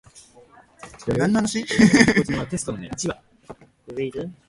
The motorway junction "Kreuz Chemnitz" is situated in the northwestern area of the city.